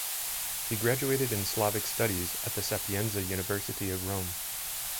He graduated in Slavic Studies at the Sapienza University of Rome.